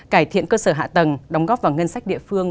cải thiện cơ sở hạ tầng đóng góp vào ngân sách địa phương